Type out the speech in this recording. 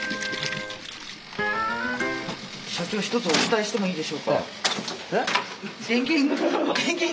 社長ひとつお伝えしてもいいでしょうか？